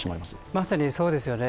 まさにそうですよね。